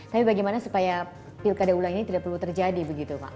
tapi bagaimana supaya pilkada ulang ini tidak perlu terjadi begitu pak